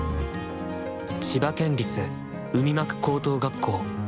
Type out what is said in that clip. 千葉県立海幕高等学校。